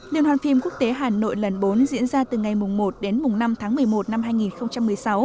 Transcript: liên hoàn phim quốc tế hà nội lần bốn diễn ra từ ngày một đến năm tháng một mươi một năm hai nghìn một mươi sáu